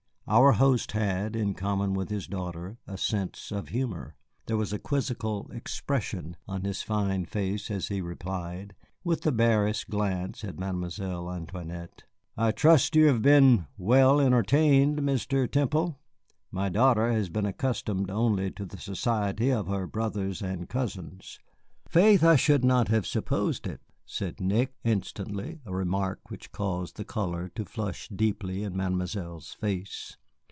Our host had, in common with his daughter, a sense of humor. There was a quizzical expression on his fine face as he replied, with the barest glance at Mademoiselle Antoinette: "I trust you have been well entertained, Mr. Temple. My daughter has been accustomed only to the society of her brother and cousins." "Faith, I should not have supposed it," said Nick, instantly, a remark which caused the color to flush deeply into Mademoiselle's face.